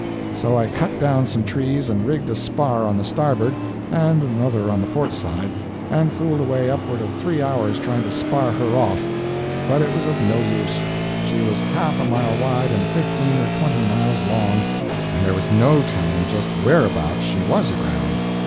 So I cut down some trees and rigged a spar on the starboard and another on the port side, and fooled away upward of three hours trying to spar her off. But it was no use. She was half a mile wide and fifteen or twenty miles long, and there was no telling just whereabouts she WAS aground.